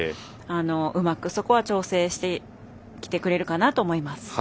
うまく、そこは調整してきてくれるかなと思います。